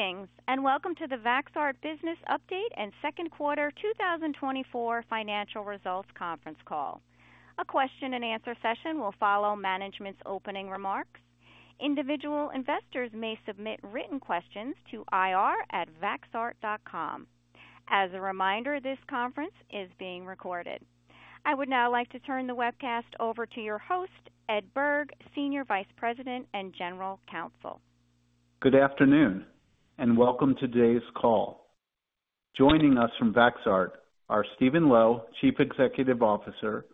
Greetings, and welcome to the Vaxart Business Update and second quarter 2024 financial results conference call. A question-and-answer session will follow management's opening remarks. Individual investors may submit written questions to ir@vaxart.com. As a reminder, this conference is being recorded. I would now like to turn the webcast over to your host, Ed Berg, Senior Vice President and General Counsel. Good afternoon, and welcome to today's call. Joining us from Vaxart are Steven Lo, Chief Executive Officer;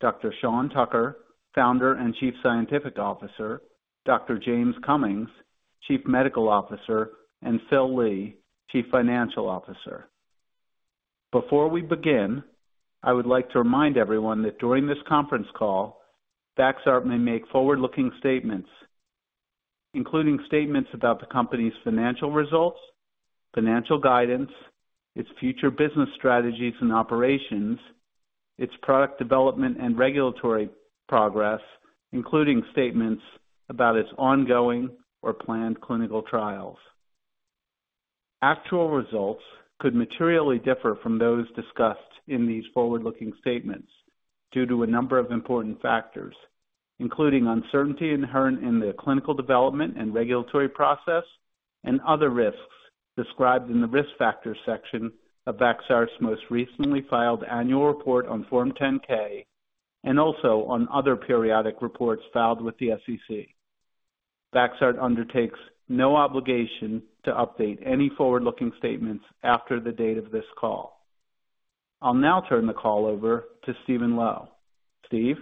Dr. Sean Tucker, Founder and Chief Scientific Officer; Dr. James Cummings, Chief Medical Officer; and Phil Lee, Chief Financial Officer. Before we begin, I would like to remind everyone that during this conference call, Vaxart may make forward-looking statements, including statements about the company's financial results, financial guidance, its future business strategies and operations, its product development and regulatory progress, including statements about its ongoing or planned clinical trials. Actual results could materially differ from those discussed in these forward-looking statements due to a number of important factors, including uncertainty inherent in the clinical development and regulatory process, and other risks described in the Risk Factors section of Vaxart's most recently filed annual report on Form 10-K, and also on other periodic reports filed with the SEC. Vaxart undertakes no obligation to update any forward-looking statements after the date of this call. I'll now turn the call over to Steven Lo. Steve?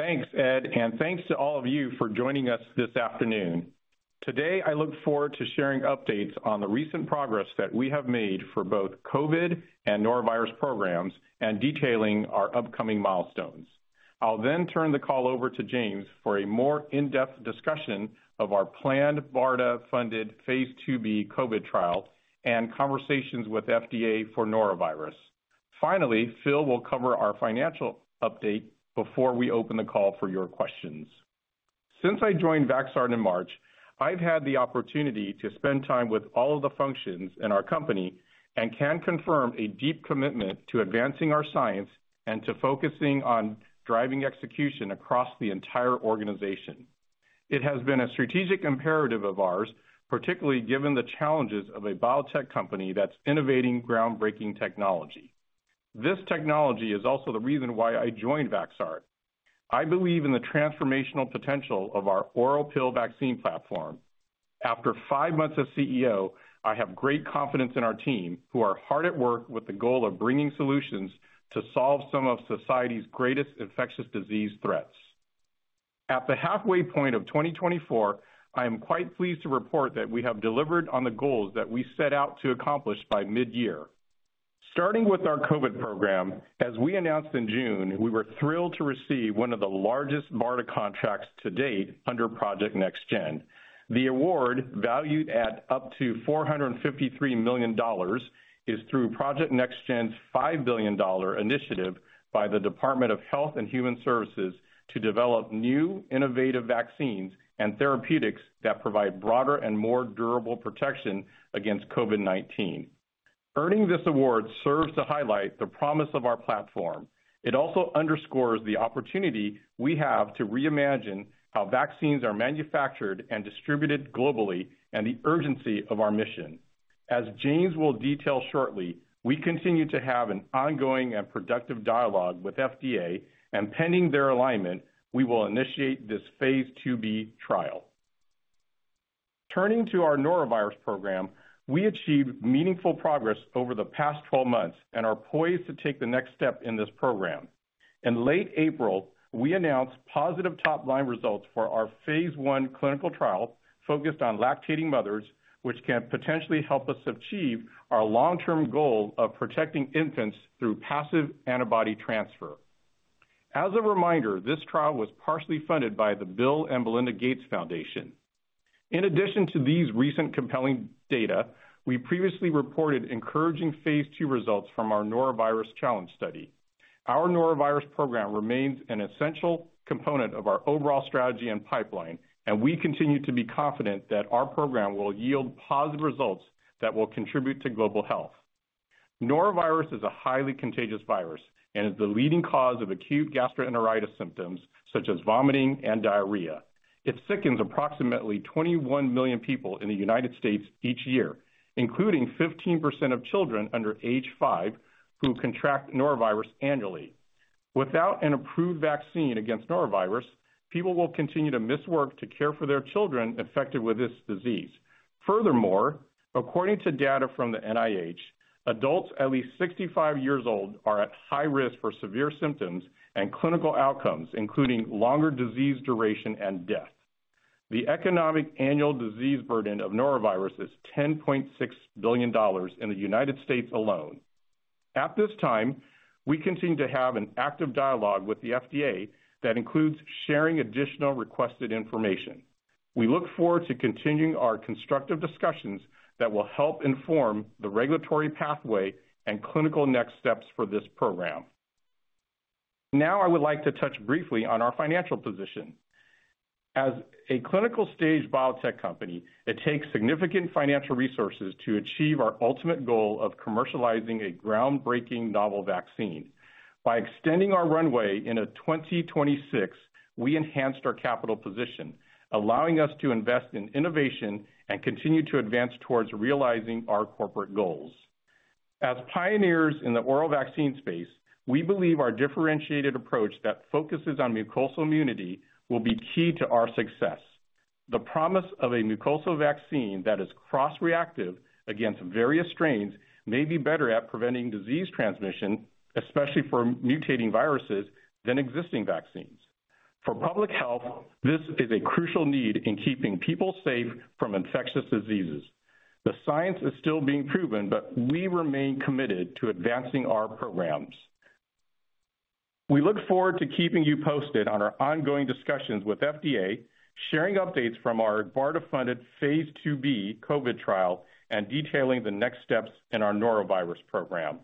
Thanks, Ed, and thanks to all of you for joining us this afternoon. Today, I look forward to sharing updates on the recent progress that we have made for both COVID and norovirus programs and detailing our upcoming milestones. I'll then turn the call over to James for a more in-depth discussion of our planned BARDA-funded Phase IIb COVID trial and conversations with FDA for norovirus. Finally, Phil will cover our financial update before we open the call for your questions. Since I joined Vaxart in March, I've had the opportunity to spend time with all of the functions in our company and can confirm a deep commitment to advancing our science and to focusing on driving execution across the entire organization. It has been a strategic imperative of ours, particularly given the challenges of a biotech company that's innovating groundbreaking technology. This technology is also the reason why I joined Vaxart. I believe in the transformational potential of our oral pill vaccine platform. After five months as CEO, I have great confidence in our team, who are hard at work with the goal of bringing solutions to solve some of society's greatest infectious disease threats. At the halfway point of 2024, I am quite pleased to report that we have delivered on the goals that we set out to accomplish by mid-year. Starting with our COVID program, as we announced in June, we were thrilled to receive one of the largest BARDA contracts to date under Project NextGen. The award, valued at up to $453 million, is through Project NextGen's $5 billion initiative by the Department of Health and Human Services to develop new innovative vaccines and therapeutics that provide broader and more durable protection against COVID-19. Earning this award serves to highlight the promise of our platform. It also underscores the opportunity we have to reimagine how vaccines are manufactured and distributed globally and the urgency of our mission. As James will detail shortly, we continue to have an ongoing and productive dialogue with FDA, and pending their alignment, we will initiate this Phase IIb trial. Turning to our norovirus program, we achieved meaningful progress over the past 12 months and are poised to take the next step in this program. In late April, we announced positive top-line results for our phase I clinical trial focused on lactating mothers, which can potentially help us achieve our long-term goal of protecting infants through passive antibody transfer. As a reminder, this trial was partially funded by the Bill & Melinda Gates Foundation. In addition to these recent compelling data, we previously reported encouraging phase II results from our norovirus challenge study. Our norovirus program remains an essential component of our overall strategy and pipeline, and we continue to be confident that our program will yield positive results that will contribute to global health. Norovirus is a highly contagious virus and is the leading cause of acute gastroenteritis symptoms, such as vomiting and diarrhea. It sickens approximately 21 million people in the United States each year, including 15% of children under age five, who contract norovirus annually. Without an approved vaccine against norovirus, people will continue to miss work to care for their children infected with this disease. Furthermore, according to data from the NIH, adults at least 65 years old are at high risk for severe symptoms and clinical outcomes, including longer disease duration and death. The economic annual disease burden of norovirus is $10.6 billion in the United States alone. At this time, we continue to have an active dialogue with the FDA that includes sharing additional requested information. We look forward to continuing our constructive discussions that will help inform the regulatory pathway and clinical next steps for this program.... Now I would like to touch briefly on our financial position. As a clinical stage biotech company, it takes significant financial resources to achieve our ultimate goal of commercializing a groundbreaking novel vaccine. By extending our runway into 2026, we enhanced our capital position, allowing us to invest in innovation and continue to advance towards realizing our corporate goals. As pioneers in the oral vaccine space, we believe our differentiated approach that focuses on mucosal immunity will be key to our success. The promise of a mucosal vaccine that is cross-reactive against various strains may be better at preventing disease transmission, especially for mutating viruses, than existing vaccines. For public health, this is a crucial need in keeping people safe from infectious diseases. The science is still being proven, but we remain committed to advancing our programs. We look forward to keeping you posted on our ongoing discussions with FDA, sharing updates from our BARDA-funded Phase IIb COVID trial, and detailing the next steps in our norovirus program.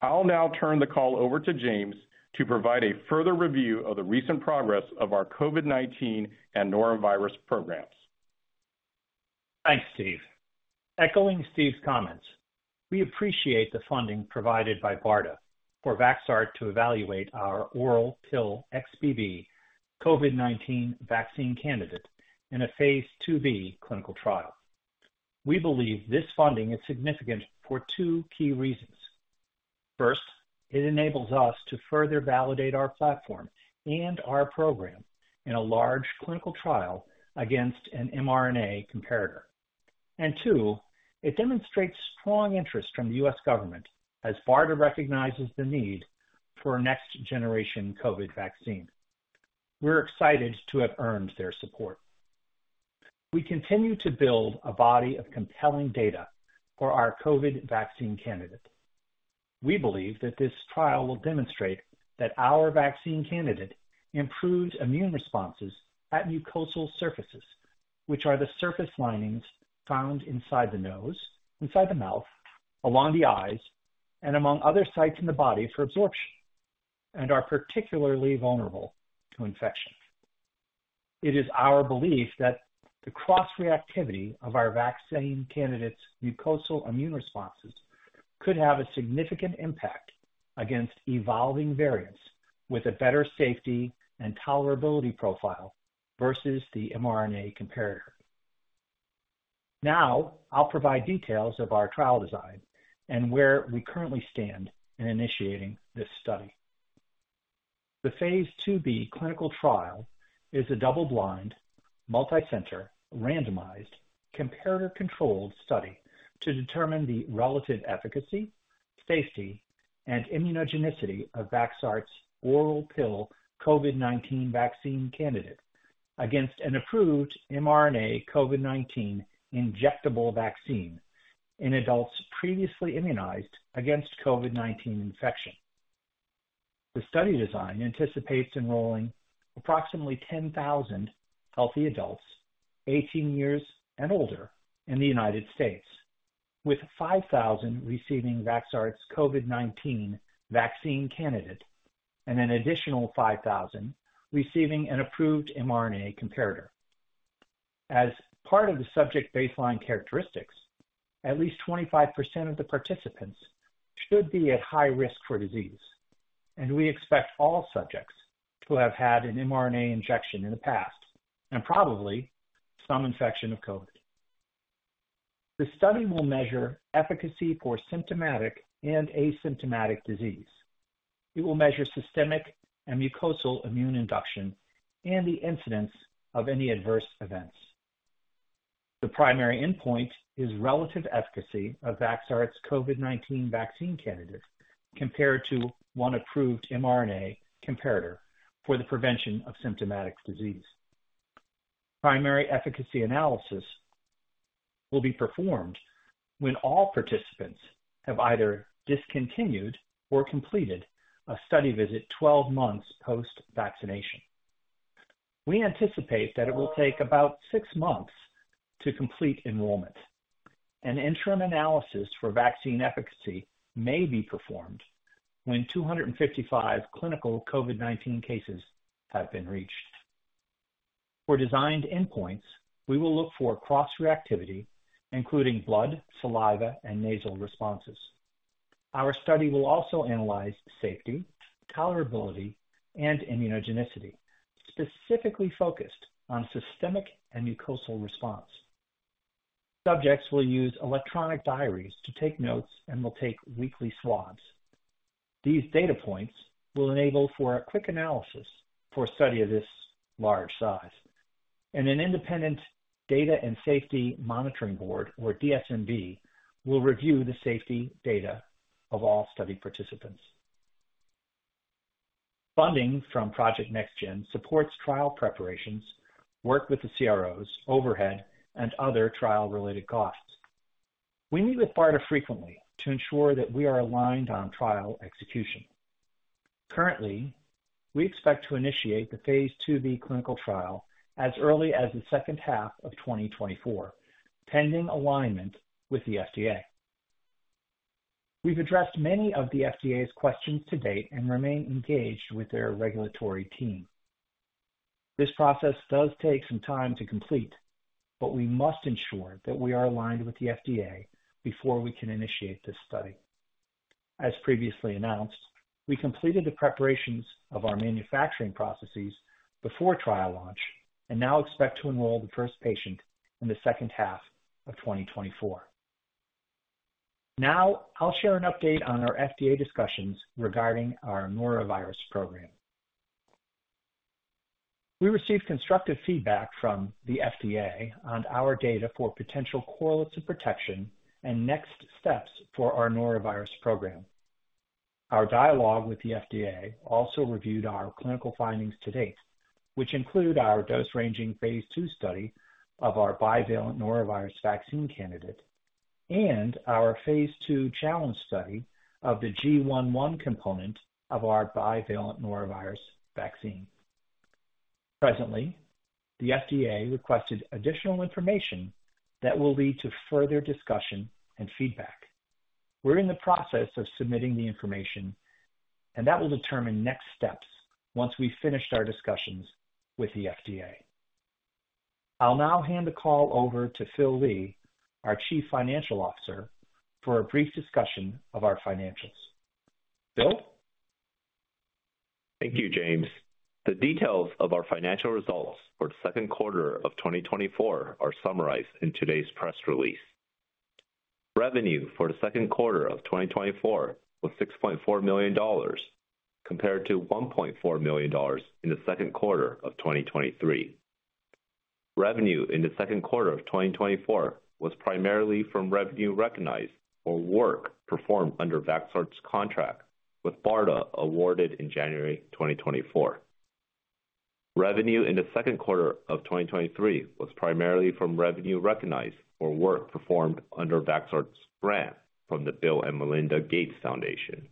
I'll now turn the call over to James to provide a further review of the recent progress of our COVID-19 and norovirus programs. Thanks, Steve. Echoing Steve's comments, we appreciate the funding provided by BARDA for Vaxart to evaluate our oral pill XBB COVID-19 vaccine candidate in a phase IIb clinical trial. We believe this funding is significant for two key reasons. First, it enables us to further validate our platform and our program in a large clinical trial against an mRNA comparator. And two, it demonstrates strong interest from the U.S. government as BARDA recognizes the need for a next-generation COVID vaccine. We're excited to have earned their support. We continue to build a body of compelling data for our COVID vaccine candidate. We believe that this trial will demonstrate that our vaccine candidate improves immune responses at mucosal surfaces, which are the surface linings found inside the nose, inside the mouth, along the eyes, and among other sites in the body for absorption, and are particularly vulnerable to infection. It is our belief that the cross-reactivity of our vaccine candidate's mucosal immune responses could have a significant impact against evolving variants with a better safety and tolerability profile versus the mRNA comparator. Now, I'll provide details of our trial design and where we currently stand in initiating this study. The phase IIb clinical trial is a double-blind, multicenter, randomized, comparative controlled study to determine the relative efficacy, safety, and immunogenicity of Vaxart's oral pill COVID-19 vaccine candidate against an approved mRNA COVID-19 injectable vaccine in adults previously immunized against COVID-19 infection. The study design anticipates enrolling approximately 10,000 healthy adults, 18 years and older in the United States, with 5,000 receiving Vaxart's COVID-19 vaccine candidate and an additional 5,000 receiving an approved mRNA comparator. As part of the subject baseline characteristics, at least 25% of the participants should be at high risk for disease, and we expect all subjects to have had an mRNA injection in the past and probably some infection of COVID. The study will measure efficacy for symptomatic and asymptomatic disease. It will measure systemic and mucosal immune induction and the incidence of any adverse events. The primary endpoint is relative efficacy of Vaxart's COVID-19 vaccine candidate compared to one approved mRNA comparator for the prevention of symptomatic disease. Primary efficacy analysis will be performed when all participants have either discontinued or completed a study visit 12 months post-vaccination. We anticipate that it will take about 6 months to complete enrollment. An interim analysis for vaccine efficacy may be performed when 255 clinical COVID-19 cases have been reached. For designed endpoints, we will look for cross-reactivity, including blood, saliva, and nasal responses. Our study will also analyze safety, tolerability, and immunogenicity, specifically focused on systemic and mucosal response. Subjects will use electronic diaries to take notes and will take weekly swabs. These data points will enable for a quick analysis for a study of this large size, and an independent Data and Safety Monitoring Board, or DSMB, will review the safety data of all study participants. Funding from Project NextGen supports trial preparations, work with the CROs, overhead, and other trial-related costs. We meet with BARDA frequently to ensure that we are aligned on trial execution. Currently, we expect to initiate the phase IIb clinical trial as early as the second half of 2024, pending alignment with the FDA. We've addressed many of the FDA's questions to date and remain engaged with their regulatory team. This process does take some time to complete, but we must ensure that we are aligned with the FDA before we can initiate this study. As previously announced, we completed the preparations of our manufacturing processes before trial launch and now expect to enroll the first patient in the second half of 2024. Now, I'll share an update on our FDA discussions regarding our norovirus program. We received constructive feedback from the FDA on our data for potential correlates of protection and next steps for our norovirus program. Our dialogue with the FDA also reviewed our clinical findings to date, which include our dose-ranging phase II study of our bivalent norovirus vaccine candidate and our phase II challenge study of the GI.1 component of our bivalent norovirus vaccine. Presently, the FDA requested additional information that will lead to further discussion and feedback. We're in the process of submitting the information, and that will determine next steps once we've finished our discussions with the FDA. I'll now hand the call over to Phil Lee, our Chief Financial Officer, for a brief discussion of our financials. Phil? Thank you, James. The details of our financial results for the second quarter of 2024 are summarized in today's press release. Revenue for the second quarter of 2024 was $6.4 million, compared to $1.4 million in the second quarter of 2023. Revenue in the second quarter of 2024 was primarily from revenue recognized for work performed under Vaxart's contract, with BARDA awarded in January 2024. Revenue in the second quarter of 2023 was primarily from revenue recognized for work performed under Vaxart's grant from the Bill and Melinda Gates Foundation.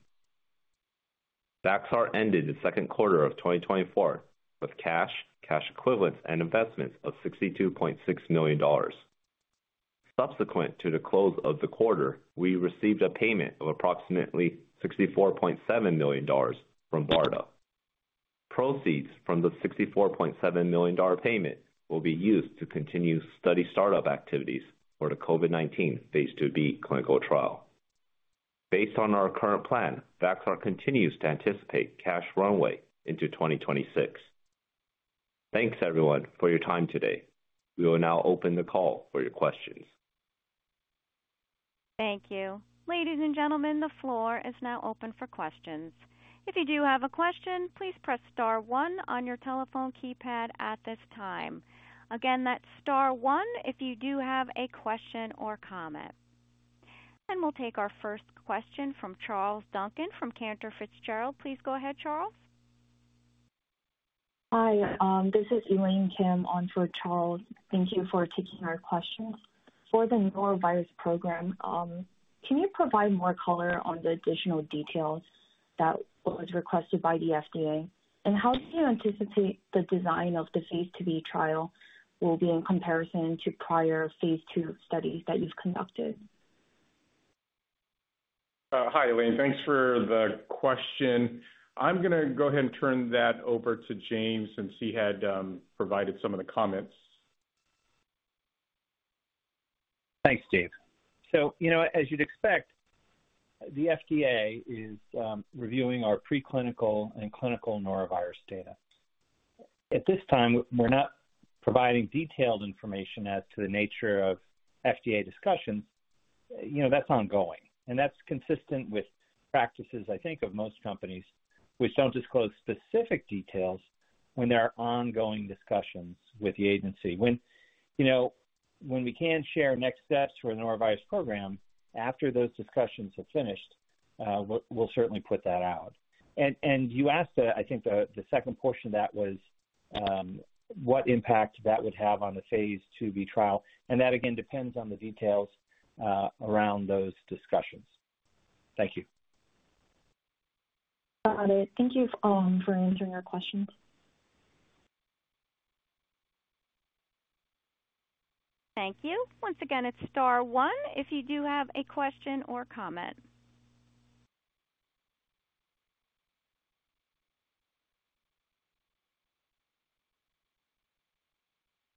Vaxart ended the second quarter of 2024 with cash, cash equivalents, and investments of $62.6 million. Subsequent to the close of the quarter, we received a payment of approximately $64.7 million from BARDA. Proceeds from the $64.7 million payment will be used to continue study startup activities for the COVID-19 phase IIb clinical trial. Based on our current plan, Vaxart continues to anticipate cash runway into 2026. Thanks, everyone, for your time today. We will now open the call for your questions. Thank you. Ladies and gentlemen, the floor is now open for questions. If you do have a question, please press star one on your telephone keypad at this time. Again, that's star one if you do have a question or comment. We'll take our first question from Charles Duncan from Cantor Fitzgerald. Please go ahead, Charles. Hi, this is Elaine Kim on for Charles. Thank you for taking our questions. For the norovirus program, can you provide more color on the additional details that was requested by the FDA? And how do you anticipate the design of the phase IIb trial will be in comparison to prior phase two studies that you've conducted? Hi, Elaine. Thanks for the question. I'm gonna go ahead and turn that over to James, since he had provided some of the comments. Thanks, Dave. So, you know, as you'd expect, the FDA is reviewing our preclinical and clinical norovirus data. At this time, we're not providing detailed information as to the nature of FDA discussions. You know, that's ongoing, and that's consistent with practices, I think, of most companies, which don't disclose specific details when there are ongoing discussions with the agency. When we can share next steps for the norovirus program after those discussions have finished, we'll certainly put that out. And you asked, I think the second portion of that was what impact that would have on the phase IIB trial, and that, again, depends on the details around those discussions. Thank you. Got it. Thank you, for answering our questions. Thank you. Once again, it's star one if you do have a question or comment.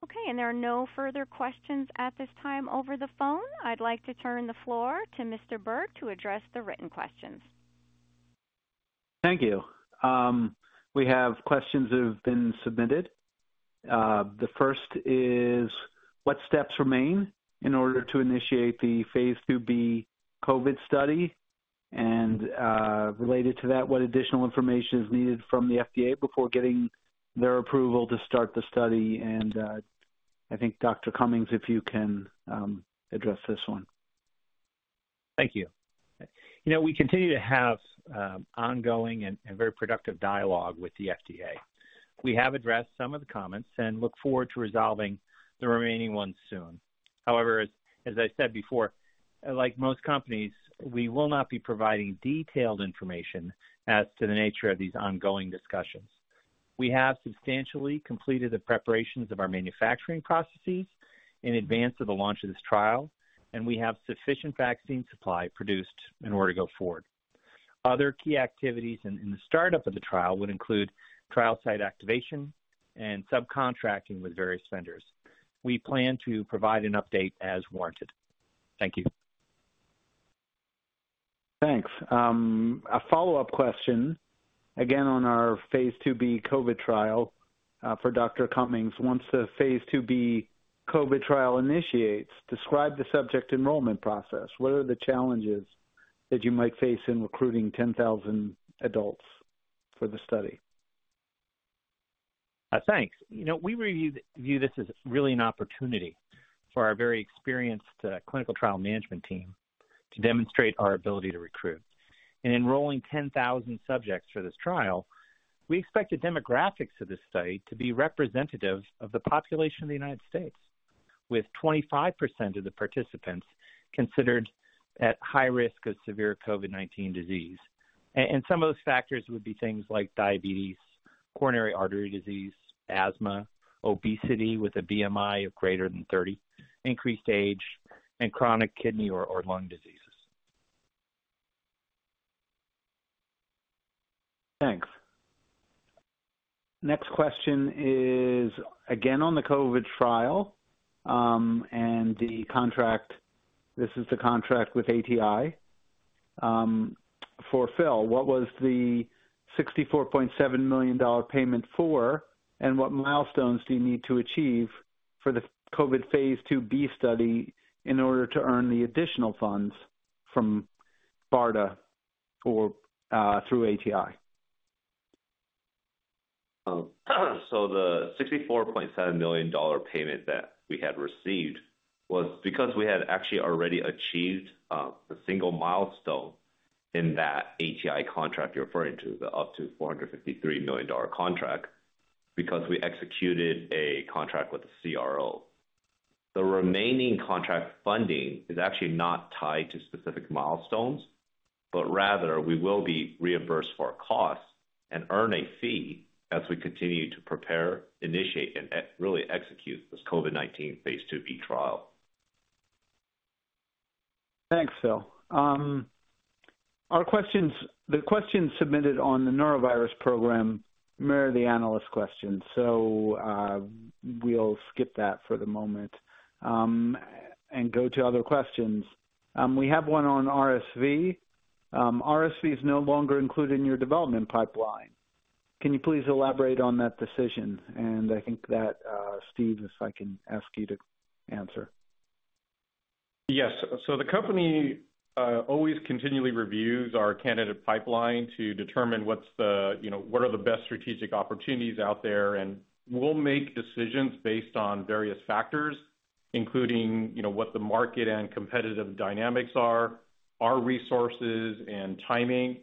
Okay, and there are no further questions at this time over the phone. I'd like to turn the floor to Mr. Berg to address the written questions. Thank you. We have questions that have been submitted. The first is: What steps remain in order to initiate the Phase IIb COVID study? And, related to that, what additional information is needed from the FDA before getting their approval to start the study? And, I think, Dr. Cummings, if you can, address this one. Thank you. You know, we continue to have ongoing and very productive dialogue with the FDA. We have addressed some of the comments and look forward to resolving the remaining ones soon. However, as I said before, like most companies, we will not be providing detailed information as to the nature of these ongoing discussions.... We have substantially completed the preparations of our manufacturing processes in advance of the launch of this trial, and we have sufficient vaccine supply produced in order to go forward. Other key activities in the startup of the trial would include trial site activation and subcontracting with various vendors. We plan to provide an update as warranted. Thank you. Thanks. A follow-up question, again, on our phase IIb COVID trial, for Dr. Cummings. Once the phase IIb COVID trial initiates, describe the subject enrollment process. What are the challenges that you might face in recruiting 10,000 adults for the study? Thanks. You know, we view this as really an opportunity for our very experienced clinical trial management team to demonstrate our ability to recruit. In enrolling 10,000 subjects for this trial, we expect the demographics of this study to be representative of the population of the United States, with 25% of the participants considered at high risk of severe COVID-19 disease. Some of those factors would be things like diabetes, coronary artery disease, asthma, obesity with a BMI of greater than 30, increased age, and chronic kidney or lung diseases. Thanks. Next question is again on the COVID trial, and the contract. This is the contract with ATI, for Phil. What was the $64.7 million payment for, and what milestones do you need to achieve for the COVID phase IIb study in order to earn the additional funds from BARDA or, through ATI? So the $64.7 million payment that we had received was because we had actually already achieved the single milestone in that ATI contract you're referring to, the up to $453 million contract, because we executed a contract with the CRO. The remaining contract funding is actually not tied to specific milestones, but rather we will be reimbursed for our costs and earn a fee as we continue to prepare, initiate, and really execute this COVID-19 Phase IIb trial. Thanks, Phil. Our questions, the questions submitted on the norovirus program were the analyst questions, so, we'll skip that for the moment, and go to other questions. We have one on RSV. RSV is no longer included in your development pipeline. Can you please elaborate on that decision? And I think that, Steve, if I can ask you to answer. Yes. So the company always continually reviews our candidate pipeline to determine what's the, you know, what are the best strategic opportunities out there, and we'll make decisions based on various factors, including, you know, what the market and competitive dynamics are, our resources and timing.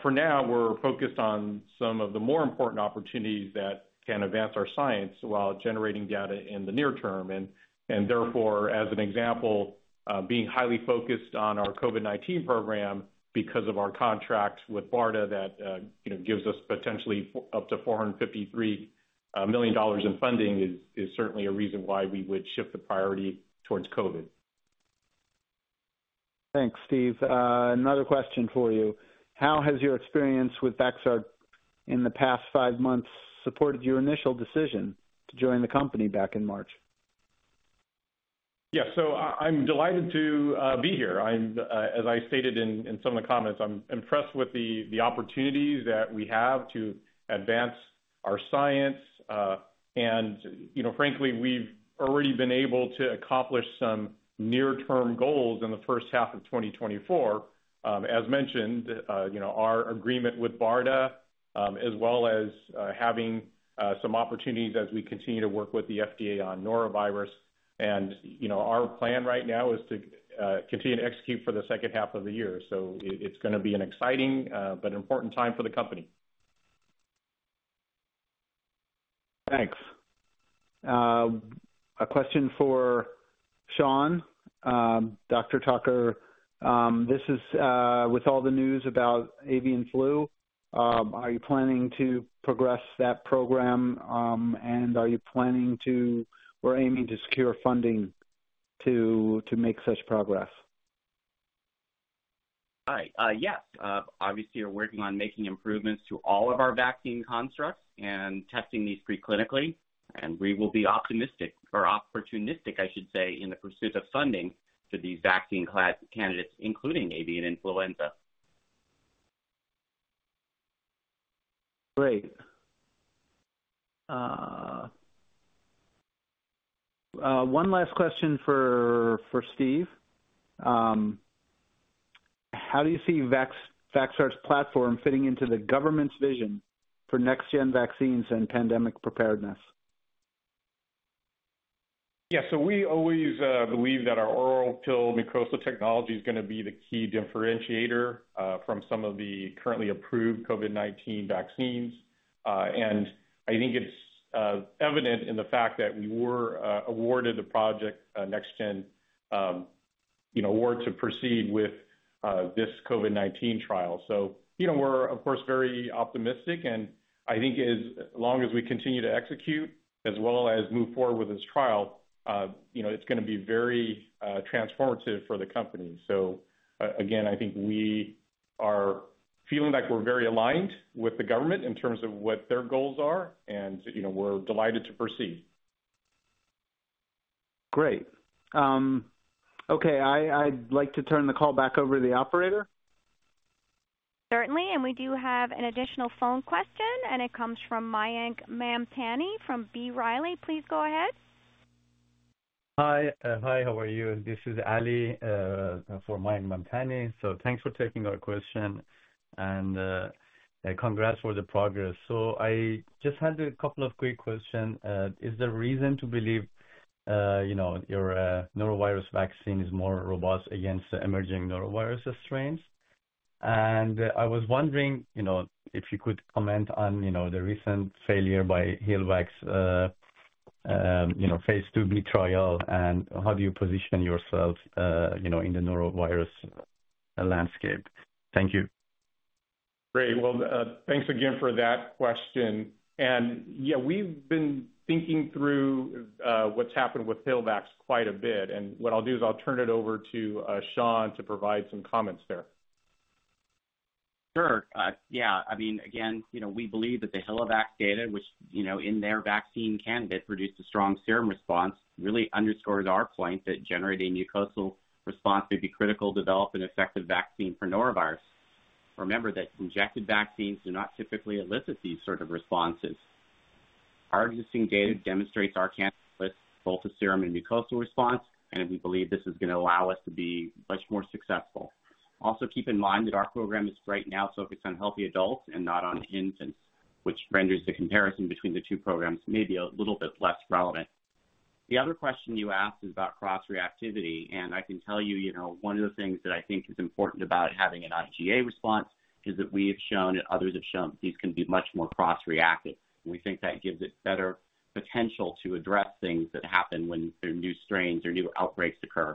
For now, we're focused on some of the more important opportunities that can advance our science while generating data in the near term, and therefore, as an example, being highly focused on our COVID-19 program because of our contract with BARDA, that, you know, gives us potentially up to $453 million in funding, is certainly a reason why we would shift the priority towards COVID. Thanks, Steve. Another question for you: How has your experience with Vaxart in the past five months supported your initial decision to join the company back in March? Yeah. So I'm delighted to be here. I'm, as I stated in some of the comments, I'm impressed with the opportunities that we have to advance our science. You know, frankly, we've already been able to accomplish some near-term goals in the first half of 2024. As mentioned, you know, our agreement with BARDA, as well as having some opportunities as we continue to work with the FDA on norovirus. You know, our plan right now is to continue to execute for the second half of the year. So it's gonna be an exciting but important time for the company. Thanks. A question for Sean. Dr. Tucker, this is with all the news about avian flu. Are you planning to progress that program? And are you planning to or aiming to secure funding to make such progress? Hi. Yes, obviously we're working on making improvements to all of our vaccine constructs and testing these preclinically, and we will be optimistic or opportunistic, I should say, in the pursuit of funding for these vaccine class candidates, including avian influenza. Great. One last question for Steve. How do you see Vaxart's platform fitting into the government's vision for next-gen vaccines and pandemic preparedness? Yeah, so we always believe that our oral pill mucosal technology is gonna be the key differentiator from some of the currently approved COVID-19 vaccines. And I think it's evident in the fact that we were awarded the Project NextGen, you know, were to proceed with this COVID-19 trial. So, you know, we're, of course, very optimistic, and I think as long as we continue to execute as well as move forward with this trial, you know, it's gonna be very transformative for the company. So again, I think we are feeling like we're very aligned with the government in terms of what their goals are, and, you know, we're delighted to proceed. Great. Okay, I'd like to turn the call back over to the operator. Certainly, and we do have an additional phone question, and it comes from Mayank Mamtani from B. Riley. Please go ahead. Hi. Hi, how are you? This is Ali, for Mayank Mamtani. So thanks for taking our question, and, congrats for the progress. So I just had a couple of quick question. Is there reason to believe, you know, your norovirus vaccine is more robust against the emerging norovirus strains? And I was wondering, you know, if you could comment on, you know, the recent failure by HilleVax, you know, phase IIb trial, and how do you position yourself, you know, in the norovirus landscape? Thank you. Great. Well, thanks again for that question. And, yeah, we've been thinking through what's happened with HilleVax quite a bit, and what I'll do is I'll turn it over to Sean to provide some comments there. Sure. Yeah. I mean, again, you know, we believe that the HilleVax data, which, you know, in their vaccine candidate, produced a strong serum response, really underscores our point that generating mucosal response may be critical to develop an effective vaccine for norovirus. Remember that injected vaccines do not typically elicit these sort of responses. Our existing data demonstrates our candidate, both a serum and mucosal response, and we believe this is gonna allow us to be much more successful. Also, keep in mind that our program is right now focused on healthy adults and not on infants, which renders the comparison between the two programs maybe a little bit less relevant. The other question you asked is about cross-reactivity, and I can tell you, you know, one of the things that I think is important about having an IgA response is that we have shown and others have shown these can be much more cross-reactive. We think that gives it better potential to address things that happen when there are new strains or new outbreaks occur.